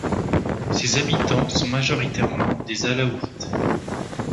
Ces habitants sont majoritairement des alaouites.